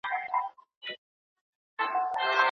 د خوندیتوب بکسونه څه دي؟